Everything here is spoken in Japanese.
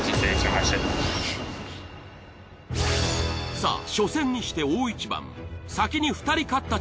さあ初戦にして大一番。